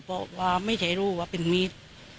บอกว่าไม่ใช่รูว่าเป็นมีด